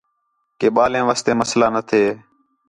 کہ ٻالیں واسطے مسئلہ نہ تھے